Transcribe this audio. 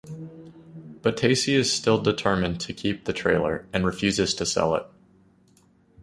But Tacy is still determined to keep the trailer, and refuses to sell it.